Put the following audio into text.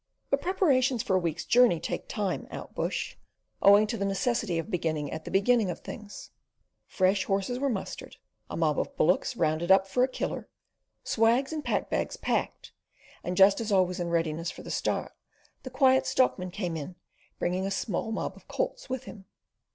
But preparations for a week's journey take time, outbush, owing to that necessity of beginning at the beginning of things. Fresh horses were mustered, a mob of bullocks rounded up for a killer, swags and pack bags packed; and just as all was in readiness for the start, the Quiet Stockman came in, bringing a small mob of colts with him.